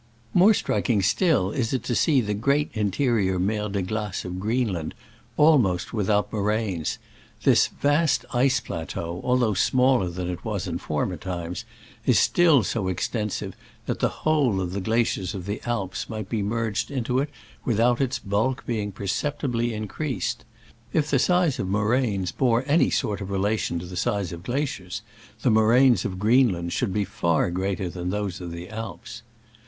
More striking still is it to see the great interior Mer de Clace of Creenland almost without moraines. This vast ice piateau, although smaller than it was in former times, is still so extensive that the whole of the glaciers of the Alps might be merged into it without its bulk being perceptibly increased. If the size of moraines bore any sort of relation to the size of glaciers, the moraines of Greenland should be far greater than those of the Alps.